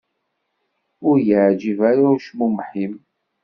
Ur i-yeεǧib ara ucmumeḥ-im.